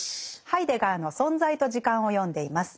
ハイデガーの「存在と時間」を読んでいます。